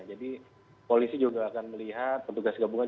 jadi polisi juga akan melihat petugas gabungan